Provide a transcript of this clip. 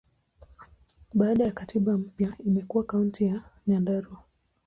Baada ya katiba mpya, imekuwa Kaunti ya Nyandarua.